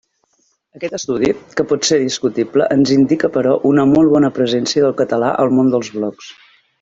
Aquest estudi, que pot ser discutible, ens indica però una molt bona presència del català al món dels blocs.